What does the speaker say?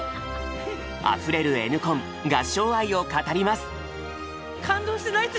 あふれるＮコン合唱愛を語ります！